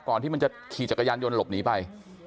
ที่มันจะขี่จักรยานยนต์หลบหนีไป